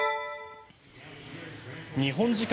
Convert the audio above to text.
日本時間